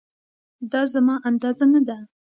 دا زما اندازه نه ده